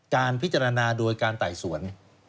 การพิจารณาโดยการไต่สวน